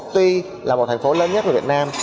tuy là một thành phố lớn nhất của việt nam